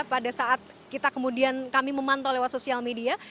pada saat kita kemudian kami memantau lewat sosial media